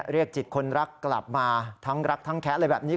เรียกจิตคนรักกลับมาทั้งรักทั้งแคะอะไรแบบนี้